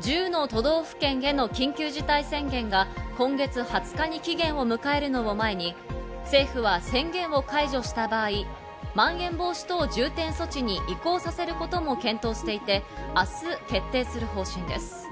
１０の都道府県への緊急事態宣言が今月２０日に期限を迎えるのを前に政府は宣言を解除した場合まん延防止等重点措置に移行させることも検討していて、明日、決定する方針です。